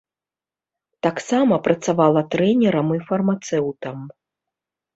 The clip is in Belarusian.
Таксама працавала трэнерам і фармацэўтам.